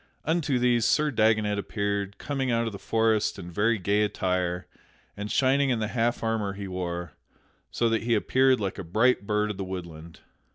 Unto these Sir Dagonet appeared, coming out of the forest in very gay attire, and shining in the half armor he wore, so that he appeared like a bright bird of the woodland.